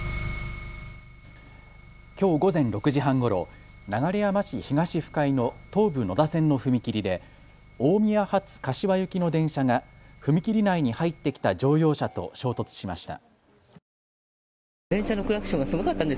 きょう午前６時半ごろ流山市東深井の東武野田線の踏切で大宮発柏行きの電車が踏切内に入ってきた乗用車と衝突しました。